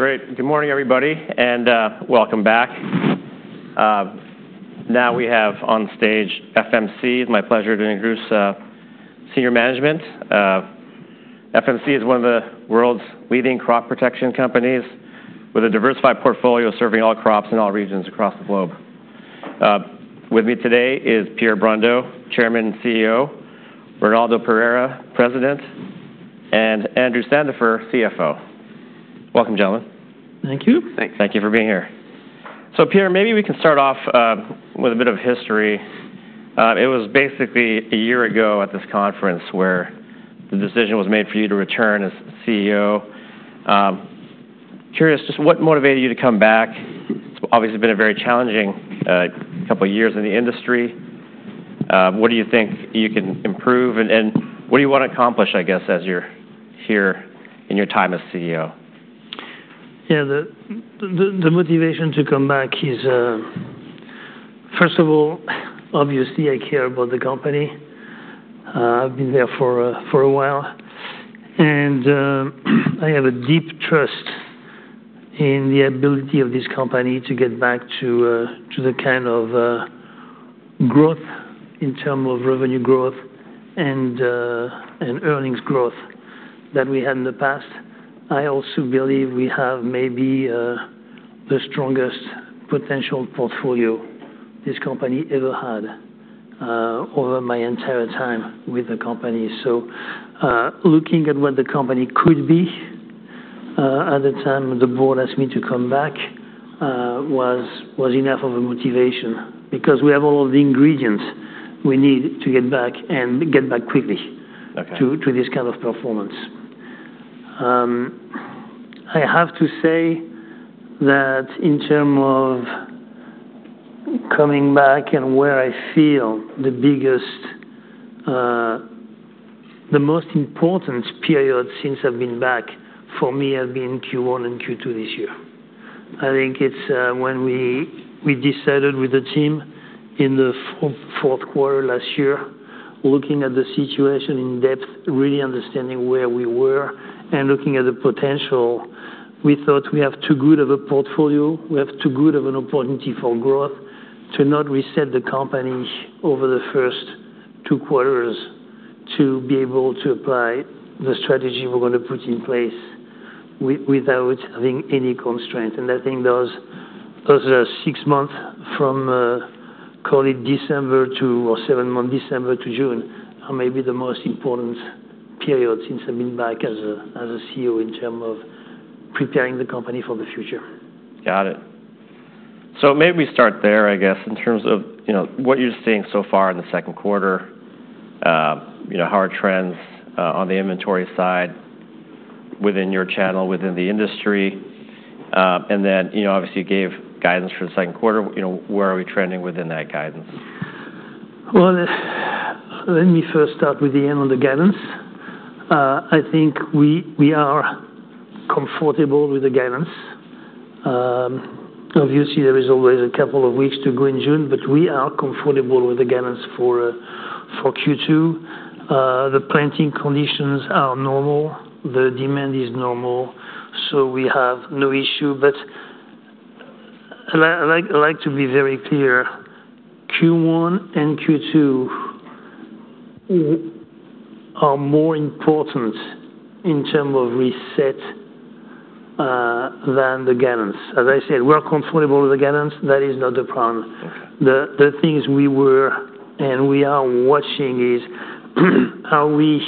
Great. Good morning, everybody, and welcome back. Now we have on stage FMC. It's my pleasure to introduce Senior Management. FMC is one of the world's leading crop protection companies, with a diversified portfolio serving all crops in all regions across the globe. With me today is Pierre Brondeau, Chairman and CEO, Ronaldo Pereira, President, and Andrew Sandifer, CFO. Welcome, gentlemen. Thank you. Thank you for being here. Pierre, maybe we can start off with a bit of history. It was basically a year ago at this conference where the decision was made for you to return as CEO. Curious, just what motivated you to come back? It's obviously been a very challenging couple of years in the industry. What do you think you can improve, and what do you want to accomplish, I guess, as you're here in your time as CEO? Yeah, the motivation to come back is, first of all, obviously I care about the company. I've been there for a while, and I have a deep trust in the ability of this company to get back to the kind of growth in terms of revenue growth and earnings growth that we had in the past. I also believe we have maybe the strongest potential portfolio this company ever had over my entire time with the company. Looking at what the company could be at the time the board asked me to come back was enough of a motivation, because we have all of the ingredients we need to get back and get back quickly to this kind of performance. I have to say that in terms of coming back and where I feel the biggest, the most important period since I've been back, for me, has been Q1 and Q2 this year. I think it's when we decided with the team in the fourth quarter last year, looking at the situation in depth, really understanding where we were and looking at the potential. We thought we have too good of a portfolio. We have too good of an opportunity for growth to not reset the company over the first two quarters, to be able to apply the strategy we're going to put in place without having any constraints. I think those six months from, call it December to, or seven months December to June are maybe the most important period since I've been back as a CEO in terms of preparing the company for the future. Got it. Maybe we start there, I guess, in terms of what you're seeing so far in the second quarter. How are trends on the inventory side within your channel, within the industry? You gave guidance for the second quarter. Where are we trending within that guidance? Let me first start with the end on the guidance. I think we are comfortable with the guidance. Obviously, there is always a couple of weeks to go in June, but we are comfortable with the guidance for Q2. The planting conditions are normal. The demand is normal, so we have no issue. I'd like to be very clear: Q1 and Q2 are more important in terms of reset than the guidance. As I said, we're comfortable with the guidance. That is not the problem. The things we were and we are watching is, are we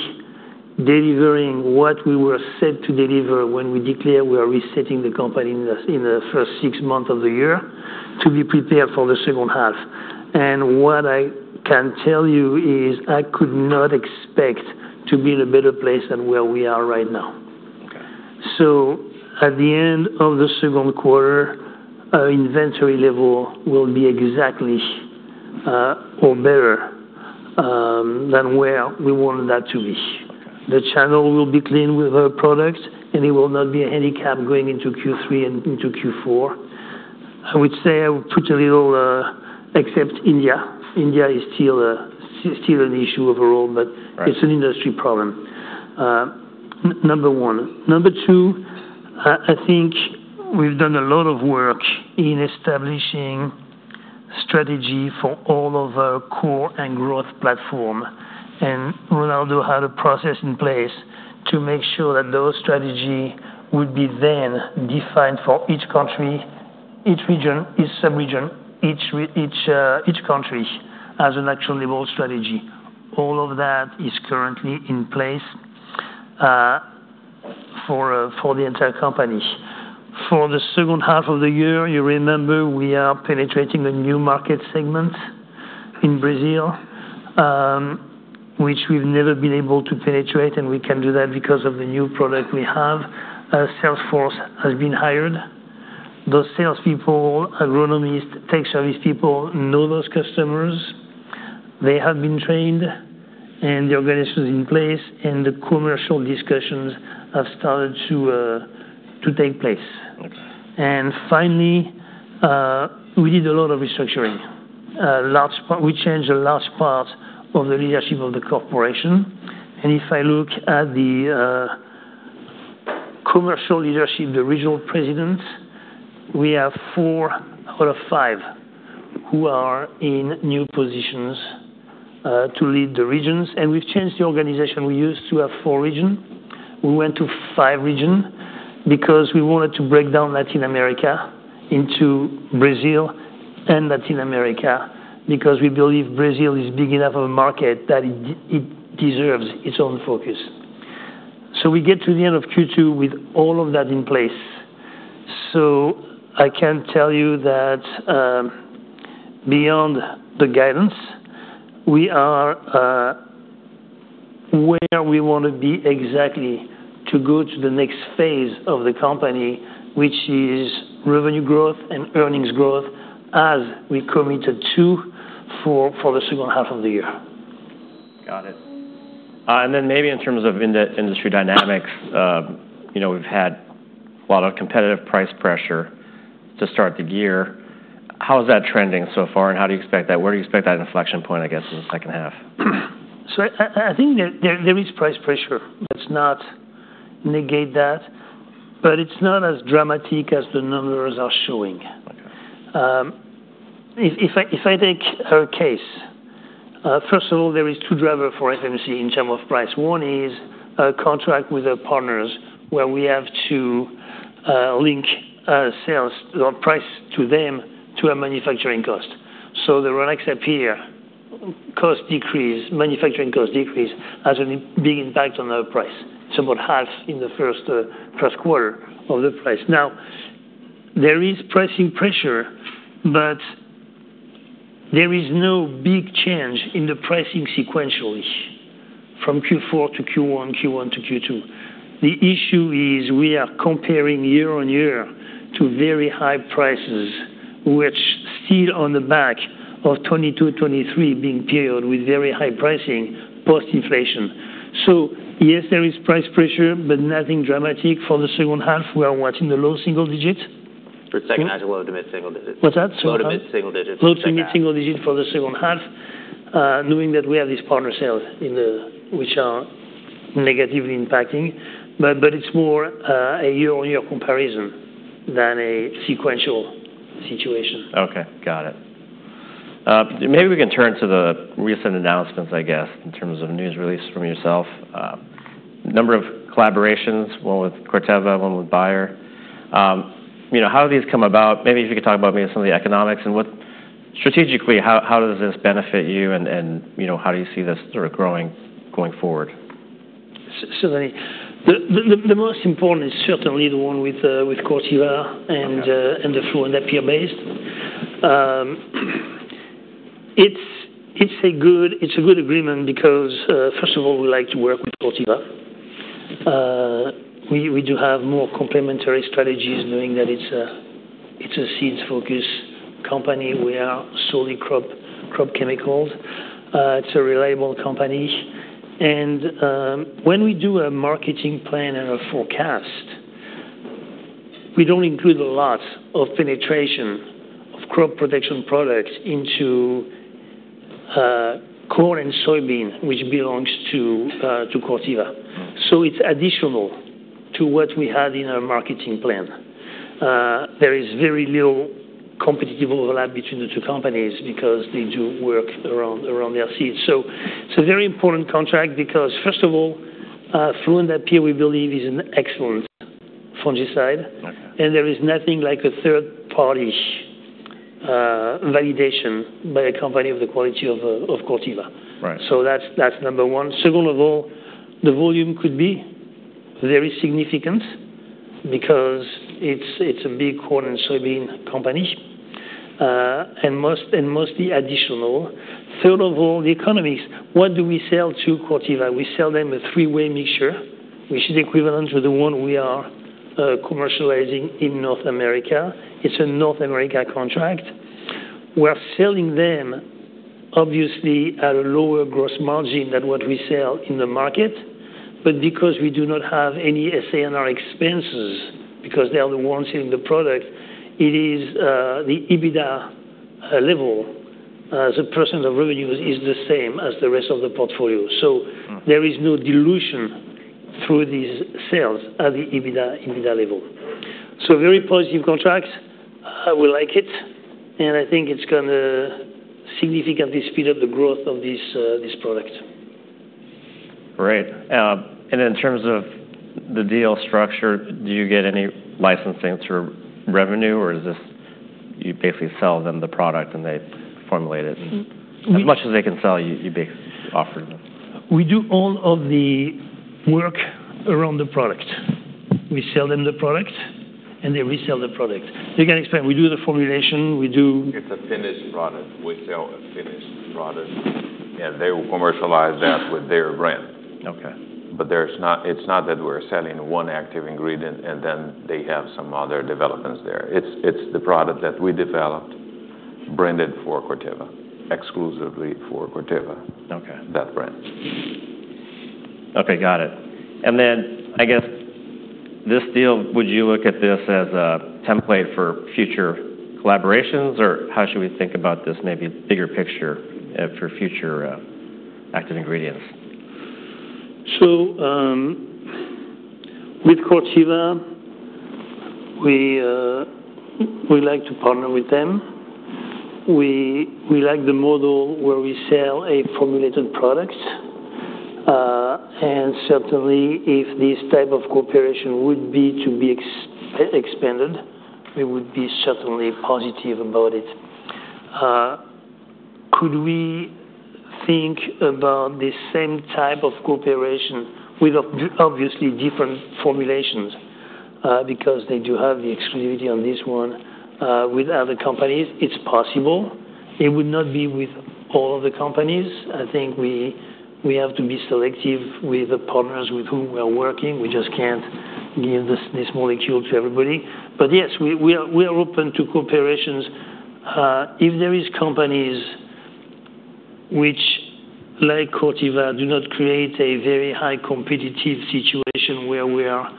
delivering what we were set to deliver when we declare we are resetting the company in the first six months of the year to be prepared for the second half? What I can tell you is I could not expect to be in a better place than where we are right now. At the end of the second quarter, our inventory level will be exactly or better than where we wanted that to be. The channel will be clean with our product, and it will not be a handicap going into Q3 and into Q4. I would say I would put a little except India. India is still an issue overall, but it is an industry problem, number one. Number two, I think we have done a lot of work in establishing strategy for all of our core and growth platform, and Ronaldo had a process in place to make sure that those strategies would be then defined for each country, each region, each subregion, each country as an actual level strategy. All of that is currently in place for the entire company. For the second half of the year, you remember we are penetrating a new market segment in Brazil, which we've never been able to penetrate, and we can do that because of the new product we have. Salesforce has been hired. Those salespeople, agronomists, tech service people know those customers. They have been trained, and the organization is in place, and the commercial discussions have started to take place. Finally, we did a lot of restructuring. We changed a large part of the leadership of the corporation. If I look at the commercial leadership, the regional presidents, we have four out of five who are in new positions to lead the regions. We have changed the organization. We used to have four regions. We went to five regions because we wanted to break down Latin America into Brazil and Latin America, because we believe Brazil is big enough of a market that it deserves its own focus. We get to the end of Q2 with all of that in place. I can tell you that beyond the guidance, we are where we want to be exactly to go to the next phase of the company, which is revenue growth and earnings growth, as we committed to for the second half of the year. Got it. Maybe in terms of industry dynamics, we've had a lot of competitive price pressure to start the year. How is that trending so far, and how do you expect that? Where do you expect that inflection point, I guess, in the second half? I think there is price pressure. Let's not negate that. However, it's not as dramatic as the numbers are showing. If I take our case, first of all, there are two drivers for FMC in terms of price. One is a contract with our partners where we have to link sales or price to them to our manufacturing cost. The Rynaxypyr cost decrease, manufacturing cost decrease, has a big impact on our price. It's about half in the first quarter of the price. Now, there is pricing pressure, but there is no big change in the pricing sequentially from Q4 to Q1, Q1 to Q2. The issue is we are comparing year-on-year to very high prices, which are still on the back of 2022-2023 being periods with very high pricing post-inflation. Yes, there is price pressure, but nothing dramatic. For the second half, we are watching the low single digits. For the second half, low to mid-single digits. What's that? Low to mid-single digits. Low to mid-single digits for the second half, knowing that we have these partner sales which are negatively impacting. It is more a year-on-year comparison than a sequential situation. Okay. Got it. Maybe we can turn to the recent announcements, I guess, in terms of news release from yourself. Number of collaborations, one with Corteva, one with Bayer. How did these come about? Maybe if you could talk about maybe some of the economics and what strategically, how does this benefit you, and how do you see this sort of growing going forward? Several things. The most important is certainly the one with Corteva and the fluindapyr based. It's a good agreement because, first of all, we like to work with Corteva. We do have more complementary strategies, knowing that it's a seeds-focused company. We are solely crop chemicals. It's a reliable company. When we do a marketing plan and a forecast, we don't include a lot of penetration of crop protection products into corn and soybean, which belongs to Corteva. It's additional to what we had in our marketing plan. There is very little competitive overlap between the two companies because they do work around their seeds. It's a very important contract because, first of all, fluindapyr, we believe, is an excellent fungicide, and there is nothing like a third-party validation by a company of the quality of Corteva. That's number one. Second of all, the volume could be very significant because it's a big corn and soybean company and mostly additional. Third of all, the economics. What do we sell to Corteva? We sell them a three-way mixture, which is equivalent to the one we are commercializing in North America. It's a North America contract. We're selling them, obviously, at a lower gross margin than what we sell in the market. Because we do not have any SANR expenses, because they are the ones selling the product, it is the EBITDA level as a % of revenues is the same as the rest of the portfolio. There is no dilution through these sales at the EBITDA level. Very positive contracts. We like it, and I think it's going to significantly speed up the growth of this product. Great. In terms of the deal structure, do you get any licensing through revenue, or is this you basically sell them the product and they formulate it? As much as they can sell, you offer them. We do all of the work around the product. We sell them the product, and they resell the product. They can explain. We do the formulation. We do. It's a finished product. We sell a finished product, and they will commercialize that with their brand. It's not that we're selling one active ingredient, and then they have some other developments there. It's the product that we developed, branded for Corteva. Exclusively for Corteva, that brand. Okay. Got it. I guess, this deal, would you look at this as a template for future collaborations, or how should we think about this, maybe bigger picture for future active ingredients? With Corteva, we like to partner with them. We like the model where we sell a formulated product. Certainly, if this type of cooperation would be to be expanded, we would be certainly positive about it. Could we think about the same type of cooperation with obviously different formulations because they do have the exclusivity on this one with other companies? It's possible. It would not be with all of the companies. I think we have to be selective with the partners with whom we are working. We just can't give this molecule to everybody. Yes, we are open to cooperations. If there are companies which, like Corteva, do not create a very high competitive situation where we are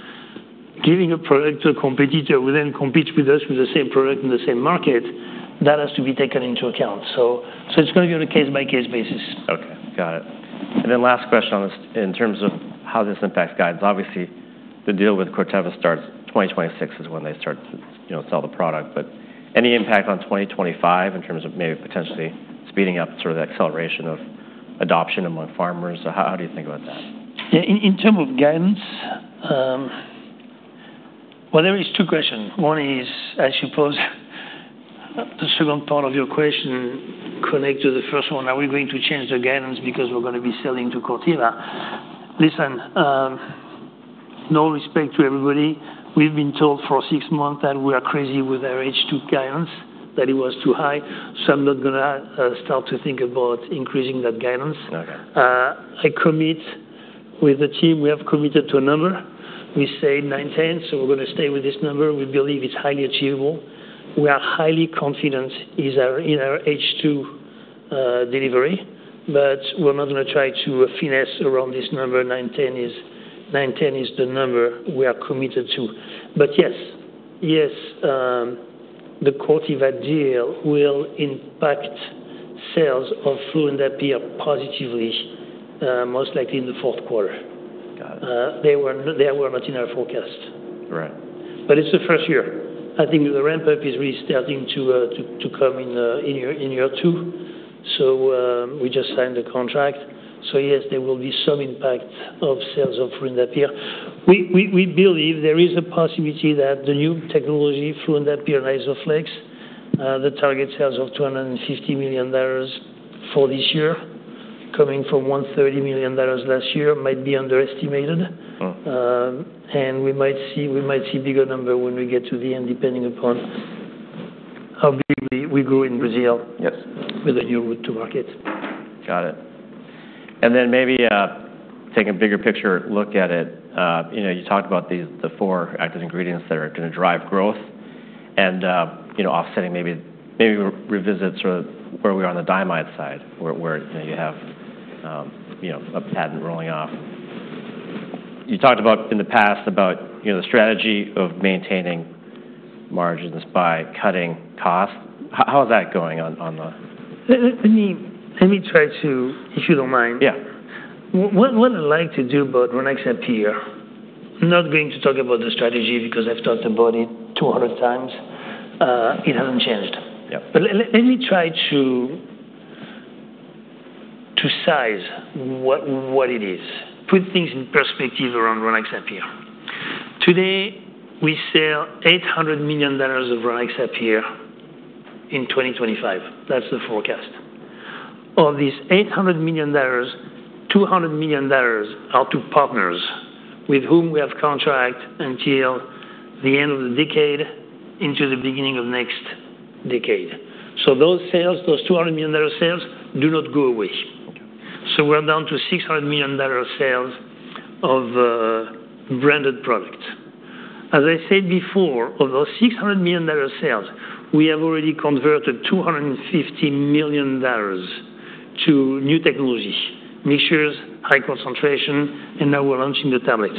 giving a product to a competitor who then competes with us with the same product in the same market, that has to be taken into account. It's going to be on a case-by-case basis. Okay. Got it. Last question on this in terms of how this impacts guidance. Obviously, the deal with Corteva starts 2026 is when they start to sell the product. Any impact on 2025 in terms of maybe potentially speeding up sort of the acceleration of adoption among farmers? How do you think about that? In terms of guidance, there are two questions. One is, I suppose the second part of your question connects to the first one. Are we going to change the guidance because we're going to be selling to Corteva? Listen, no respect to everybody. We've been told for six months that we are crazy with our H2 guidance, that it was too high. I am not going to start to think about increasing that guidance. I commit with the team. We have committed to a number. We say $910 million, so we're going to stay with this number. We believe it's highly achievable. We are highly confident in our H2 delivery, but we're not going to try to finesse around this number. $910 million is the number we are committed to. Yes, yes, the Corteva deal will impact sales of fluindapyr positively, most likely in the fourth quarter. They were not in our forecast. It's the first year. I think the ramp-up is really starting to come in year two. We just signed the contract. Yes, there will be some impact of sales of fluindapyr. We believe there is a possibility that the new technology, fluindapyr and Isoflex, the target sales of $250 million for this year, coming from $130 million last year, might be underestimated. We might see a bigger number when we get to the end, depending upon how big we grow in Brazil with a new route to market. Got it. Maybe take a bigger picture look at it. You talked about the four active ingredients that are going to drive growth and offsetting. Maybe revisit sort of where we are on the diamide side, where you have a patent rolling off. You talked in the past about the strategy of maintaining margins by cutting costs. How is that going on the? Let me try to, if you don't mind. Yeah. What I'd like to do about Rynaxypyr, I'm not going to talk about the strategy because I've talked about it 200 times. It hasn't changed. Let me try to size what it is, put things in perspective around Rynaxypyr. Today, we sell $800 million of Rynaxypyr in 2025. That's the forecast. Of these $800 million, $200 million are to partners with whom we have contract until the end of the decade, into the beginning of next decade. So those sales, those $200 million sales, do not go away. So we're down to $600 million sales of branded products. As I said before, of those $600 million sales, we have already converted $250 million to new technologies, mixtures, high concentration, and now we're launching the tablets.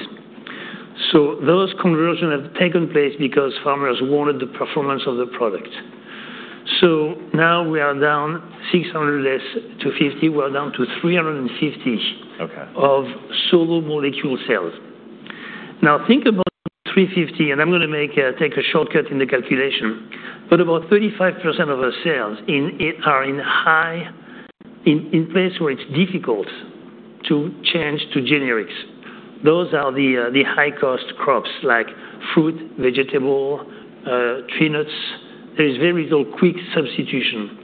So those conversions have taken place because farmers wanted the performance of the product. Now we are down $600 million less $250 million. We're down to $350 million of solo molecule sales. Now, think about $350 million, and I'm going to take a shortcut in the calculation, but about 35% of our sales are in a place where it's difficult to change to generics. Those are the high-cost crops like fruit, vegetable, tree nuts. There is very little quick substitution.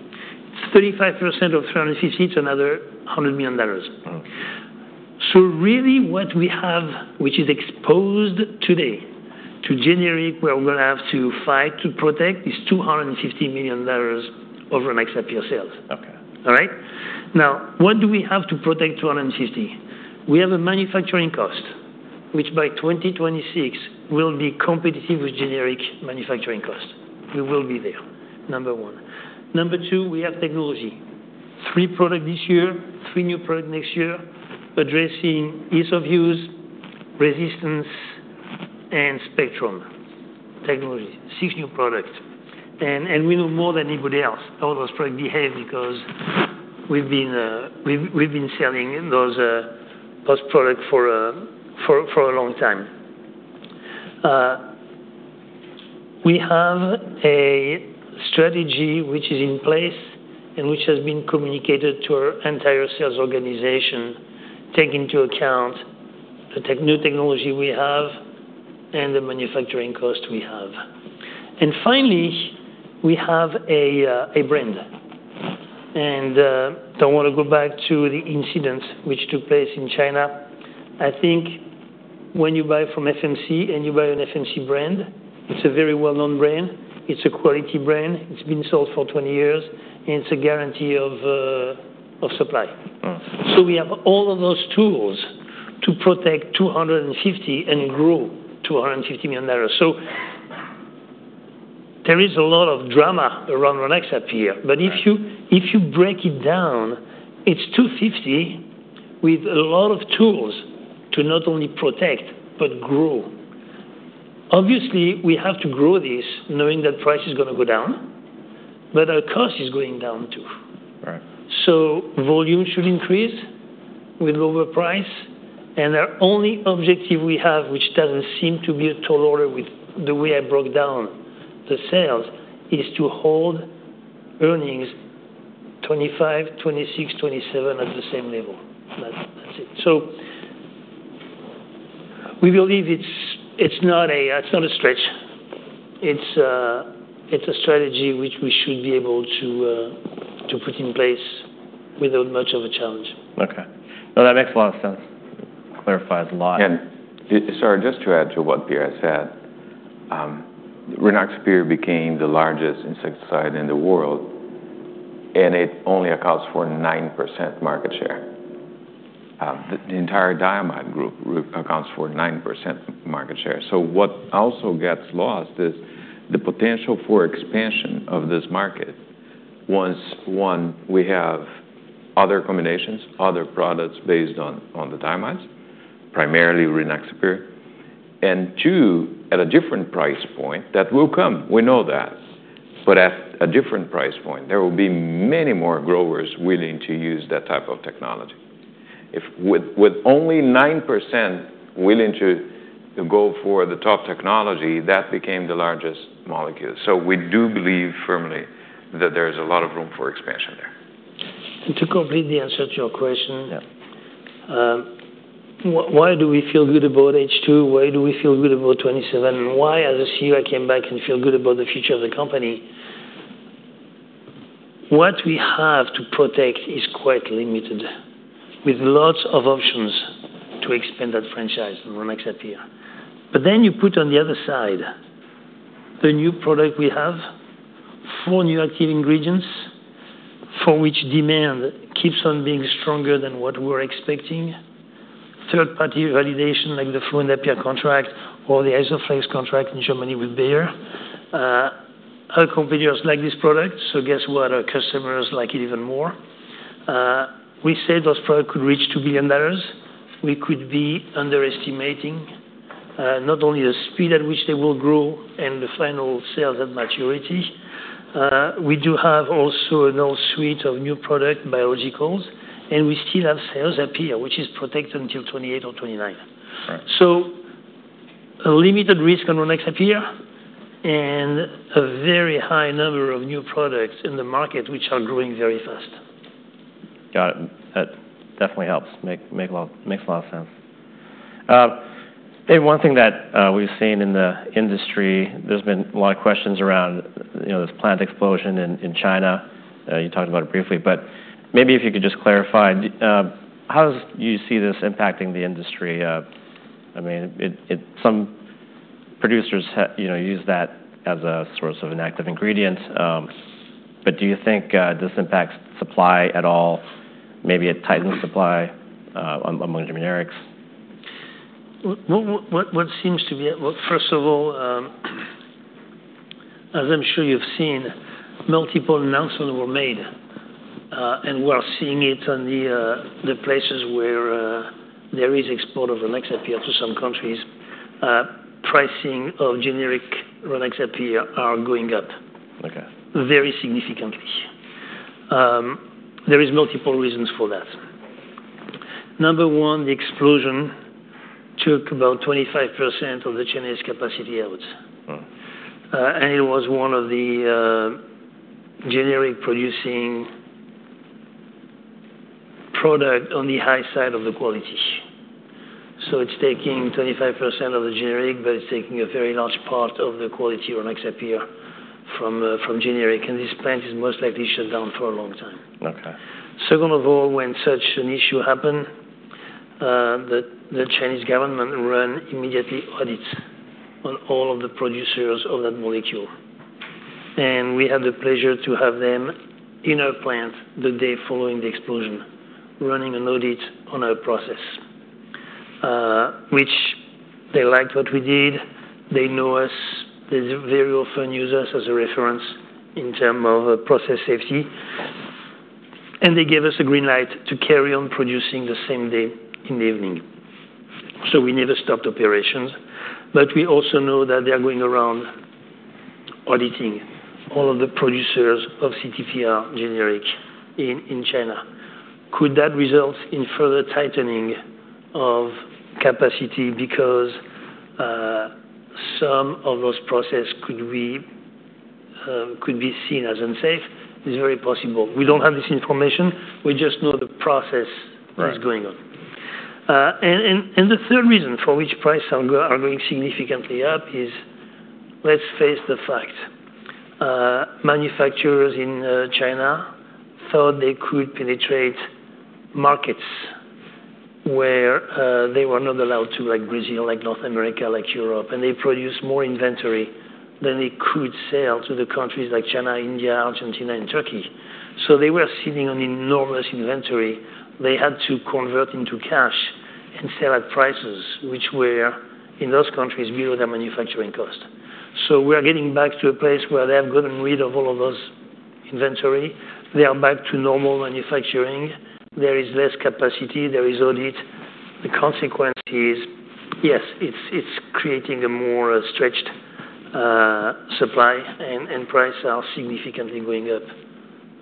It's 35% of $350 million, it's another $100 million. Really, what we have, which is exposed today to generic where we're going to have to fight to protect, is $250 million of Rynaxypyr sales. All right? Now, what do we have to protect $250 million? We have a manufacturing cost, which by 2026 will be competitive with generic manufacturing cost. We will be there, number one. Number two, we have technology. Three products this year, three new products next year, addressing ease of use, resistance, and spectrum technology. Six new products. We know more than anybody else how those products behave because we have been selling those products for a long time. We have a strategy which is in place and which has been communicated to our entire sales organization, taking into account the new technology we have and the manufacturing cost we have. Finally, we have a brand. I want to go back to the incident which took place in China. I think when you buy from FMC and you buy an FMC brand, it is a very well-known brand. It is a quality brand. It has been sold for 20 years, and it is a guarantee of supply. We have all of those tools to protect $250 million and grow $250 million. There is a lot of drama around Rynaxypyr. If you break it down, it is $250 million with a lot of tools to not only protect but grow. Obviously, we have to grow this knowing that price is going to go down, but our cost is going down too. Volume should increase with lower price. Our only objective we have, which does not seem to be a tall order with the way I broke down the sales, is to hold earnings 2025, 2026, 2027 at the same level. That is it. We believe it is not a stretch. It is a strategy which we should be able to put in place without much of a challenge. Okay. No, that makes a lot of sense. It clarifies a lot. Sorry, just to add to what Pierre said, Rynaxypyr became the largest insecticide in the world, and it only accounts for 9% market share. The entire diamide group accounts for 9% market share. What also gets lost is the potential for expansion of this market once, one, we have other combinations, other products based on the diamides, primarily Rynaxypyr, and two, at a different price point that will come. We know that. At a different price point, there will be many more growers willing to use that type of technology. With only 9% willing to go for the top technology, that became the largest molecule. We do believe firmly that there is a lot of room for expansion there. To complete the answer to your question, why do we feel good about H2? Why do we feel good about 2027? And why, as a CEO, I came back and feel good about the future of the company? What we have to protect is quite limited with lots of options to expand that franchise, Rynaxypyr. You put on the other side the new product we have, four new active ingredients for which demand keeps on being stronger than what we are expecting, third-party validation like the fluindapyr contract or the Isoflex contract in Germany with Bayer, our competitors like this product. Guess what? Our customers like it even more. We say those products could reach $2 billion. We could be underestimating not only the speed at which they will grow and the final sales at maturity. We do have also an old suite of new product biologicals, and we still have Cyazypyr which is protected until 2028 or 2029. So a limited risk on Rynaxypyr and a very high number of new products in the market, which are growing very fast. Got it. That definitely helps. Makes a lot of sense. One thing that we've seen in the industry, there's been a lot of questions around this plant explosion in China. You talked about it briefly, but maybe if you could just clarify, how do you see this impacting the industry? I mean, some producers use that as a source of an active ingredient. Do you think this impacts supply at all? Maybe it tightens supply among generics? What seems to be at, well, first of all, as I'm sure you've seen, multiple announcements were made, and we're seeing it in the places where there is export of Rynaxypyr to some countries. Pricing of generic Rynaxypyr are going up very significantly. There are multiple reasons for that. Number one, the explosion took about 25% of the Chinese capacity out. It was one of the generic-producing products on the high side of the quality. It is taking 25% of the generic, but it is taking a very large part of the quality Rynaxypyr from generic. This plant is most likely shut down for a long time. Second of all, when such an issue happened, the Chinese government ran immediate audits on all of the producers of that molecule. We had the pleasure to have them in our plant the day following the explosion, running an audit on our process, which they liked what we did. They know us. They very often use us as a reference in terms of process safety. They gave us a green light to carry on producing the same day in the evening. We never stopped operations. We also know that they are going around auditing all of the producers of CTPR generic in China. Could that result in further tightening of capacity because some of those processes could be seen as unsafe? It's very possible. We do not have this information. We just know the process is going on. The third reason for which prices are going significantly up is, let's face the fact, manufacturers in China thought they could penetrate markets where they were not allowed to, like Brazil, like North America, like Europe. They produced more inventory than they could sell to the countries like China, India, Argentina, and Türkiye. They were sitting on enormous inventory. They had to convert into cash and sell at prices which were in those countries below their manufacturing cost. We are getting back to a place where they have gotten rid of all of those inventory. They are back to normal manufacturing. There is less capacity. There is audit. The consequence is, yes, it is creating a more stretched supply, and prices are significantly going up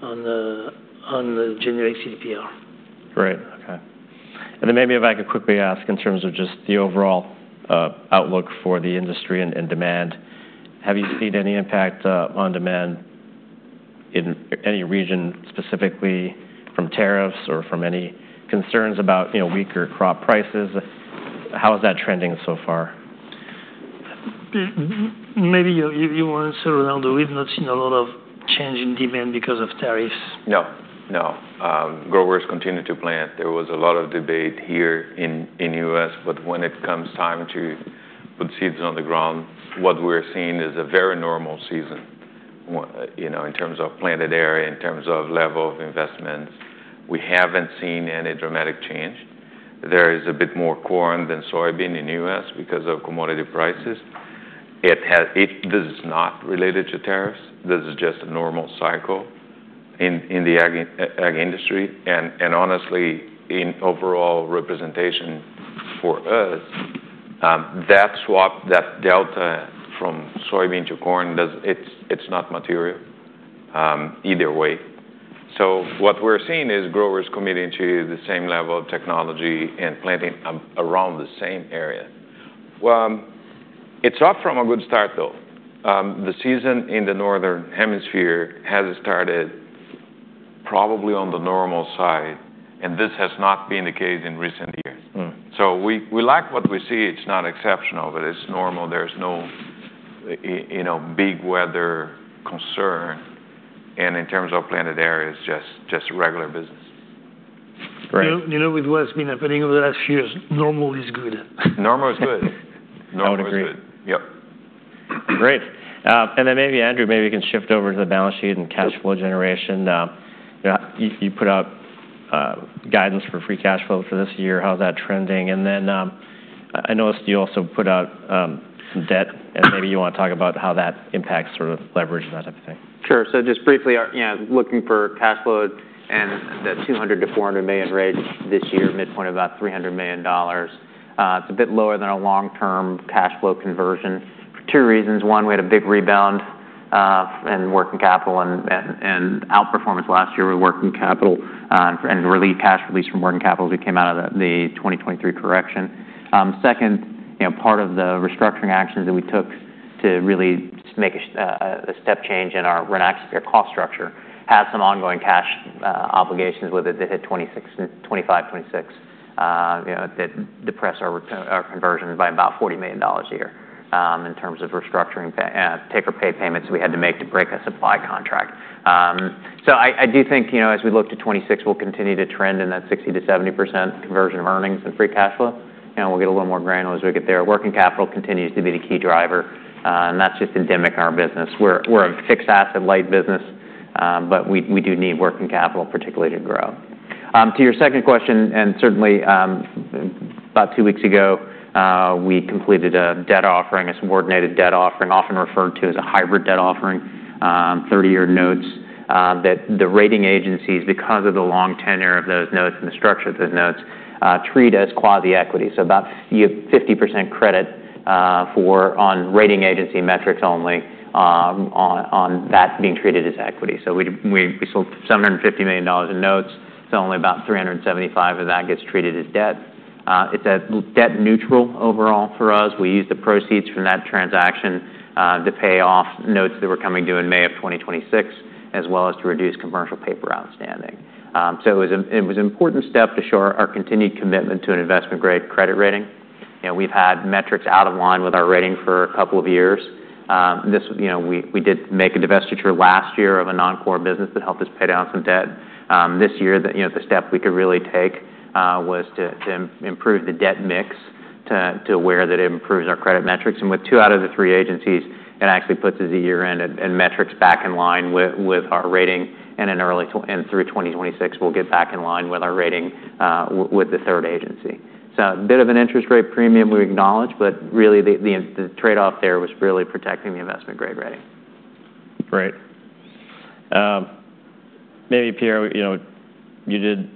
on the generic CTPR. Great. Okay. Maybe if I could quickly ask in terms of just the overall outlook for the industry and demand, have you seen any impact on demand in any region specifically from tariffs or from any concerns about weaker crop prices? How is that trending so far? Maybe you answered, Ronaldo. We've not seen a lot of change in demand because of tariffs. No. No. Growers continue to plant. There was a lot of debate here in the U.S., but when it comes time to put seeds on the ground, what we're seeing is a very normal season in terms of planted area, in terms of level of investments. We haven't seen any dramatic change. There is a bit more corn than soybean in the U.S. because of commodity prices. It is not related to tariffs. This is just a normal cycle in the ag industry. Honestly, in overall representation for us, that swap, that delta from soybean to corn, it's not material either way. What we're seeing is growers committing to the same level of technology and planting around the same area. It's off from a good start, though. The season in the northern hemisphere has started probably on the normal side, and this has not been the case in recent years. We like what we see. It's not exceptional, but it's normal. There's no big weather concern. In terms of planted areas, just regular business. You know with what's been happening over the last few years, normal is good. Normal is good. Yep. Great. Maybe, Andrew, maybe we can shift over to the balance sheet and cash flow generation. You put out guidance for free cash flow for this year. How's that trending? I noticed you also put out some debt, and maybe you want to talk about how that impacts sort of leverage and that type of thing. Sure. So just briefly, looking for cash flow in the $200 million-$400 million range this year, midpoint about $300 million. It's a bit lower than a long-term cash flow conversion for two reasons. One, we had a big rebound in working capital and outperformance last year with working capital and cash release from working capital as we came out of the 2023 correction. Second, part of the restructuring actions that we took to really just make a step change in our Rynaxypyr cost structure had some ongoing cash obligations with it that hit 2025-2026 that depressed our conversion by about $40 million a year in terms of restructuring take or pay payments we had to make to break a supply contract. I do think as we look to 2026, we'll continue to trend in that 60%-70% conversion of earnings and free cash flow. We'll get a little more granule as we get there. Working capital continues to be the key driver, and that's just endemic in our business. We're a fixed asset-light business, but we do need working capital, particularly to grow. To your second question, and certainly about two weeks ago, we completed a debt offering, a subordinated debt offering, often referred to as a hybrid debt offering, 30-year notes that the rating agencies, because of the long tenure of those notes and the structure of those notes, treat as quasi-equity. About 50% credit on rating agency metrics only on that being treated as equity. We sold $750 million in notes. It's only about $375 million of that gets treated as debt. It's debt neutral overall for us. We used the proceeds from that transaction to pay off notes that were coming due in May of 2026, as well as to reduce commercial paper outstanding. It was an important step to show our continued commitment to an investment-grade credit rating. We've had metrics out of line with our rating for a couple of years. We did make a divestiture last year of a non-core business that helped us pay down some debt. This year, the step we could really take was to improve the debt mix to where that it improves our credit metrics. With two out of the three agencies, it actually puts us a year in and metrics back in line with our rating. Through 2026, we'll get back in line with our rating with the third agency. A bit of an interest rate premium we acknowledge, but really the trade-off there was really protecting the investment-grade rating. Great. Maybe, Pierre, you did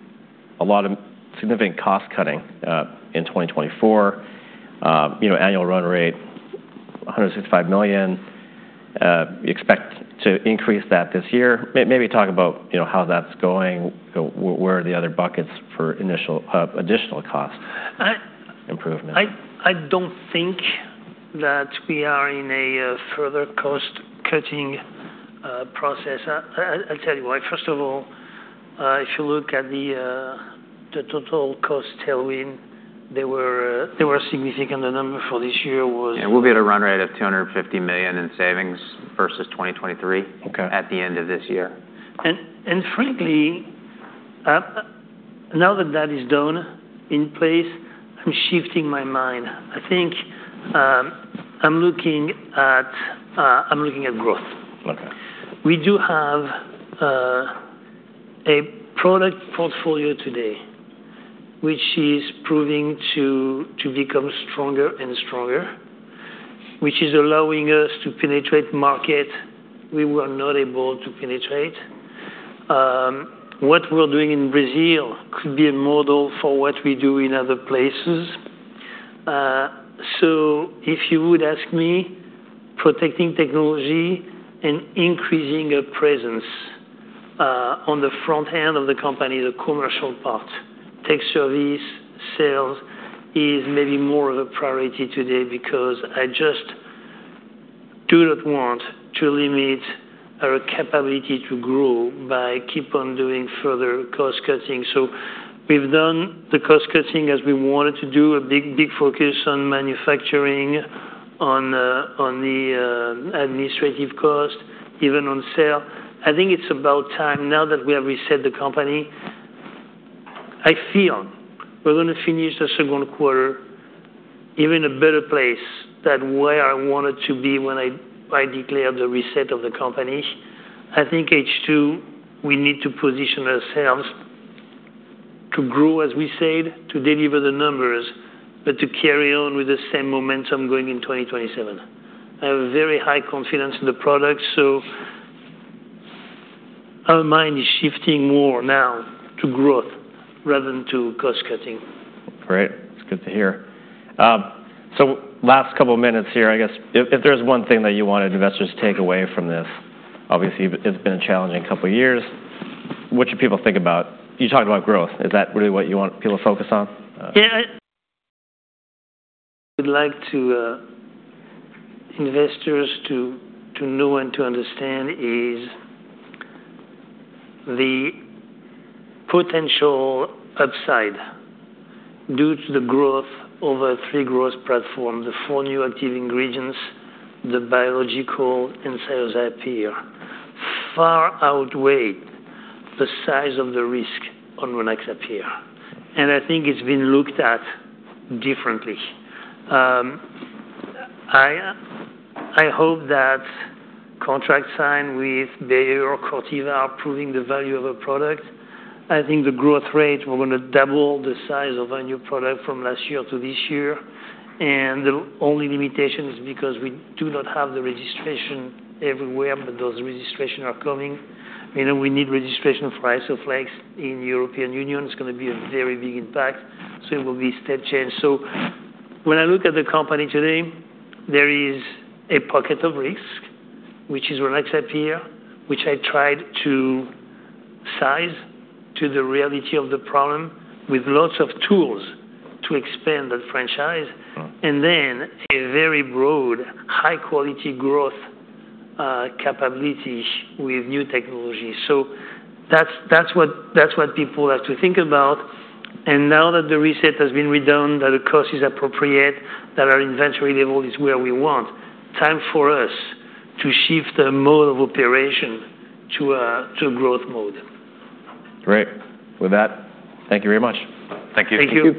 a lot of significant cost cutting in 2024. Annual run rate, $165 million. We expect to increase that this year. Maybe talk about how that's going. Where are the other buckets for additional cost improvement? I don't think that we are in a further cost-cutting process. I'll tell you why. First of all, if you look at the total cost tailwind, there were significant numbers for this year. We'll be at a run rate of $250 million in savings versus 2023 at the end of this year. Frankly, now that that is done in place, I'm shifting my mind. I think I'm looking at growth. We do have a product portfolio today, which is proving to become stronger and stronger, which is allowing us to penetrate markets we were not able to penetrate. What we're doing in Brazil could be a model for what we do in other places. If you would ask me, protecting technology and increasing a presence on the front end of the company, the commercial part, tech service, sales is maybe more of a priority today because I just do not want to limit our capability to grow by keep on doing further cost-cutting. We have done the cost-cutting as we wanted to do, a big focus on manufacturing, on the administrative cost, even on sale. I think it's about time now that we have reset the company. I feel we're going to finish the second quarter even in a better place than where I wanted to be when I declared the reset of the company. I think H2, we need to position ourselves to grow as we said, to deliver the numbers, but to carry on with the same momentum going in 2027. I have very high confidence in the product. So our mind is shifting more now to growth rather than to cost-cutting. Great. That's good to hear. Last couple of minutes here, I guess, if there's one thing that you wanted investors to take away from this, obviously, it's been a challenging couple of years, what should people think about? You talked about growth. Is that really what you want people to focus on? Yeah. What I would like investors to know and to understand is the potential upside due to the growth over three growth platforms, the four new active ingredients, the biological, and cellular Appear far outweigh the size of the risk on Rynaxypyr. I think it's been looked at differently. I hope that contracts signed with Bayer or Corteva are proving the value of a product. I think the growth rate, we're going to double the size of our new product from last year to this year. The only limitation is because we do not have the registration everywhere, but those registrations are coming. We need registration for Isoflex in the European Union. It's going to be a very big impact. It will be a step change. When I look at the company today, there is a pocket of risk, which is Rynaxypyr, which I tried to size to the reality of the problem with lots of tools to expand that franchise, and then a very broad, high-quality growth capability with new technology. That is what people have to think about. Now that the reset has been redone, that the cost is appropriate, that our inventory level is where we want, it is time for us to shift the mode of operation to a growth mode. Great. With that, thank you very much. Thank you.